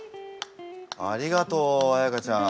ありがとう彩歌ちゃん。